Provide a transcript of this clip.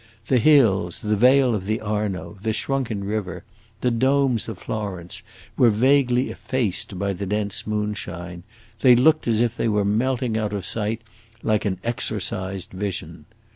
The hills, the vale of the Arno, the shrunken river, the domes of Florence, were vaguely effaced by the dense moonshine; they looked as if they were melting out of sight like an exorcised vision.